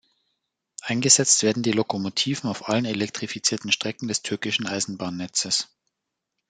Eingesetzt werden die Lokomotiven auf allen elektrifizierten Strecken des türkischen Eisenbahnnetzes.